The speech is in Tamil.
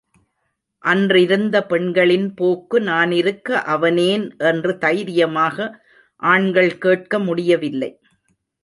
அன்றிருந்த பெண்களின் போக்கு நானிருக்க அவனேன் என்று தைரியமாக ஆண்கள் கேட்கமுடியவில்லை.